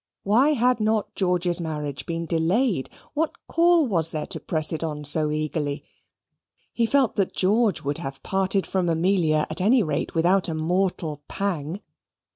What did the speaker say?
Why had not George's marriage been delayed? What call was there to press it on so eagerly? He felt that George would have parted from Amelia at any rate without a mortal pang.